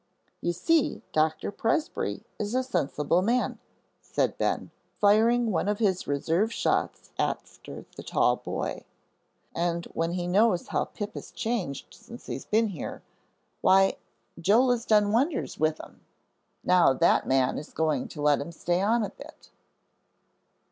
"You see, Doctor Presbrey is a sensible man," said Ben, firing one of his reserve shots after the tall boy, "and when he knows how Pip has changed since he's been here, why, Joel has done wonders with him, now that man is going to let him stay on a bit."